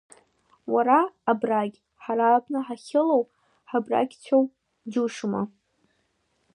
Уара, Абрагь, ҳара абна ҳахьылоу ҳабрагьцәоу џьушьома…